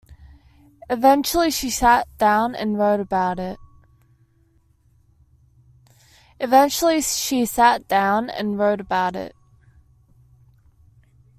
Eventually, she sat down and wrote about it.